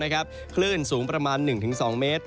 คลื่นสูงประมาณ๑๒เมตร